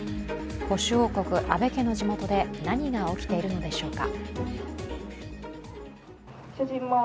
保守王国、安倍家の地元で何が起きているのでしょうか。